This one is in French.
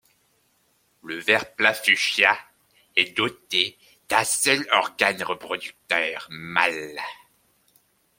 Le ver plat fuchsia est doté d'un seul organe reproducteur mâle.